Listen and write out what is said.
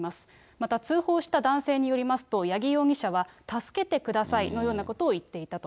また通報した男性によりますと、八木容疑者は助けてくださいのようなことを言っていたと。